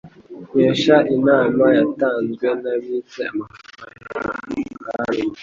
Nkesha inama yatanze, nabitse amafaranga menshi